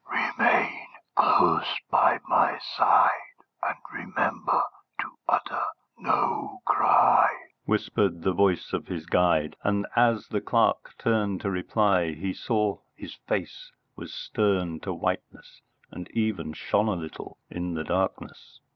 "Remain close by my side, and remember to utter no cry," whispered the voice of his guide, and as the clerk turned to reply he saw his face was stern to whiteness and even shone a little in the darkness.